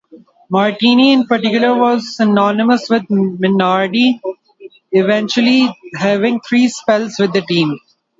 Martini in particular was synonymous with Minardi, eventually having three spells with the team.